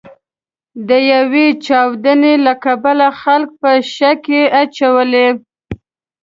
د یوې چاودنې له کبله خلک په شک کې اچولي.